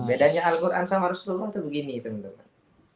bedanya al quran sama rasulullah itu begini teman teman